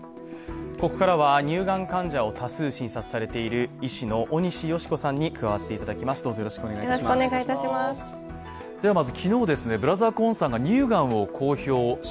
ここからは乳がん患者を多数診察されている医師の尾西芳子さんに加わっていただきます、よろしくお願いします。